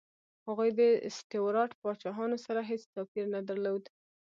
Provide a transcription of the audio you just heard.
هغوی د سټیوراټ پاچاهانو سره هېڅ توپیر نه درلود.